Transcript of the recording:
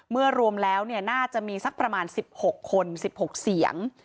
เมื่อรวมแล้วเนี่ยน่าจะมีสักประมาณสิบหกคนสิบหกเสียง